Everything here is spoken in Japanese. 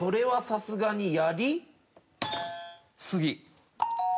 さすがにやりすぎ。